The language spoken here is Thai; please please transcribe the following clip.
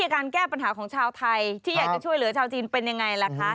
การแก้ปัญหาของชาวไทยที่อยากจะช่วยเหลือชาวจีนเป็นยังไงล่ะคะ